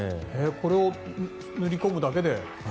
これを塗り込むだけで。